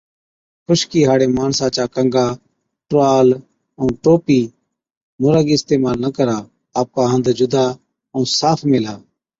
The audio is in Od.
خشڪِي هاڙي ماڻسا چا ڪنگا، ٽروال ائُون ٽوپِي مُراگِي اِستعمال نہ ڪرا۔ آپڪا هنڌ جُدا ائُون صاف ميهلا۔